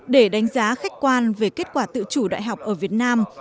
để đánh giá khách quan về kết quả tự chủ đại học ở việt nam